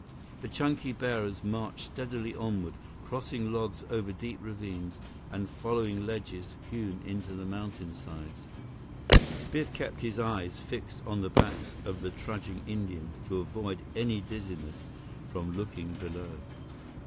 The chunky bearers marched steadily onward, crossing logs over deep ravines and following ledges hewn in the mountainsides. Biff kept his eyes fixed on the backs of the trudging Indians to avoid any dizziness from looking below.